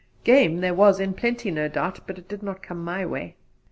Game there was in plenty, no doubt, but it did not come my way.